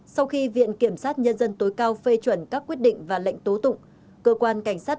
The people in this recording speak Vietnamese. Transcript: sau khi viện kiểm sát nhân dân tối cao phê chuẩn các quyết định và lệnh tố tụng cơ quan cảnh sát